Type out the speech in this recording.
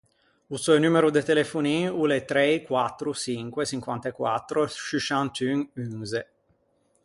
O seu numero de telefonin o l’é trei quattro çinque çinquant’e quattro sciusciant’un unze.